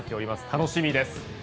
楽しみです！